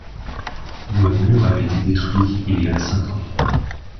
Le mur avait été détruit il y a cinq ans.